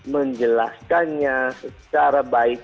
menjelaskannya secara baik